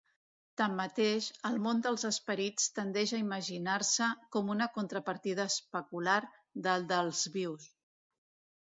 Tanmateix, el món dels esperits tendeix a imaginar-se com una contrapartida especular del dels vius.